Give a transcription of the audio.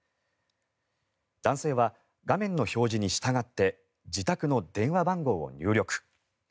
男性は画面の表示に従って自宅の電話番号を入力。